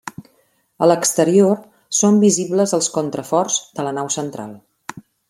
A l'exterior són visibles els contraforts de la nau central.